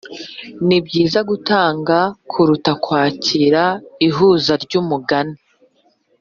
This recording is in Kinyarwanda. nibyiza gutanga kuruta kwakira ihuza ryumugani